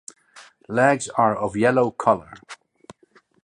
Legs are of yellow colour.